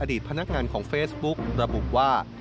พนักงานของเฟซบุ๊กระบุว่า